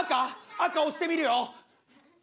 赤押してみるよ。